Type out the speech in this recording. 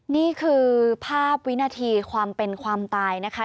นี่คือภาพวินาทีความเป็นความตายนะคะ